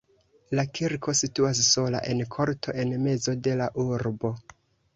La kirko situas sola en korto en mezo de la urbo.